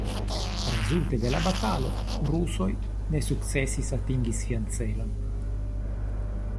Rezulte de la batalo rusoj ne sukcesis atingi sian celon.